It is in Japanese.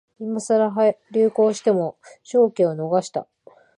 今さら流行しても商機を逃した